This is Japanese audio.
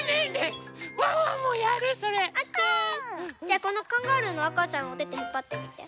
じゃあこのカンガルーのあかちゃんをおててひっぱってみて。